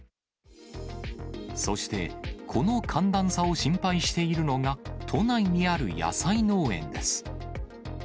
そして、この寒暖差を心配しているのが、都内にある野菜農園です。